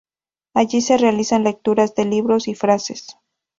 Allí se realizan lecturas de libros y frases.